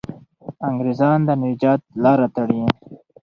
انګریزان د نجات لاره تړي.